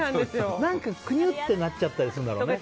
何かくにゅってなっちゃったりするんだろうね。